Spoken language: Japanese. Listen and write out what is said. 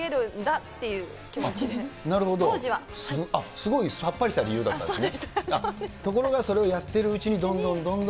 すごいさっぱりした理由だったんですね。